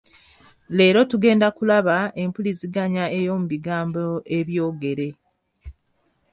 Leero tugenda kulaba empuliziganya ey'omu bigambo ebyogere.